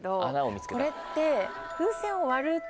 これって。